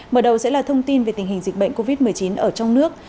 mở đầu sẽ là thông tin về tình hình dịch bệnh covid một mươi chín ở trong nước